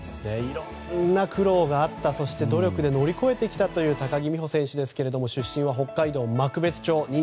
いろんな苦労があった努力で乗り越えてきたという高木美帆選手ですけども出身は北海道幕別町。